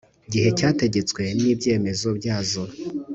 gihe cyategetswe n ibyemezo byazo